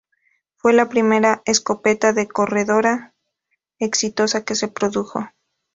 Fue la primera escopeta de corredera exitosa que se produjo.